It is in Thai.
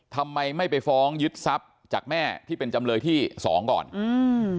ทำไมไม่ไปฟ้องยึดทรัพย์จากแม่ที่เป็นจำเลยที่สองก่อนอืม